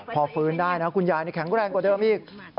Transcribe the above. พอฟื้นได้นะคุณยายแข็งแรงกว่าเดิมอีก